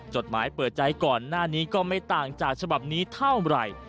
จดหมายเปิดใจก่อนหน้านี้ก็ไม่ต่างจากฉบับนี้เท่าไหร่